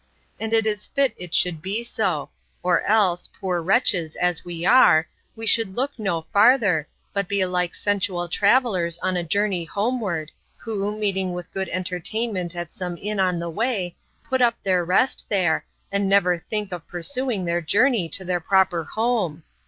And it is fit it should be so; or else, poor wretches, as we are! we should look no farther, but be like sensual travellers on a journey homeward, who, meeting with good entertainment at some inn on the way, put up their rest there, and never think of pursuing their journey to their proper home.